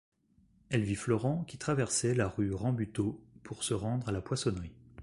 Elle vit Florent qui traversait la rue Rambuteau, pour se rendre à la poissonnerie.